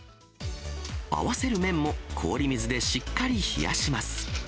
合わせる麺も、氷水でしっかり冷やします。